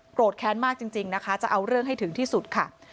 แค้นมากจริงนะคะจะเอาเรื่องให้ถึงที่สุดค่ะ